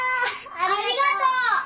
ありがとう。